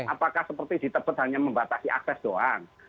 apakah seperti ditebut hanya membatasi akses doang